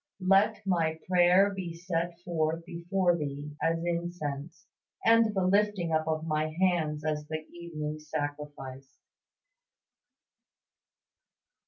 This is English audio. "LET MY PRAYER BE SET FORTH BEFORE THEE AS INCENSE: AND THE LIFTING UP OF MY HANDS AS THE EVENING SACRIFICE."